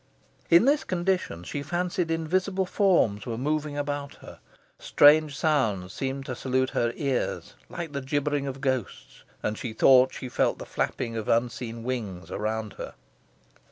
In this condition she fancied invisible forms were moving about her. Strange sounds seemed to salute her ears, like the gibbering of ghosts, and she thought she felt the flapping of unseen wings around her.